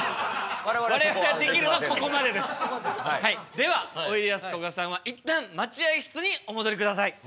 ではおいでやすこがさんは一旦待合室にお戻り下さい。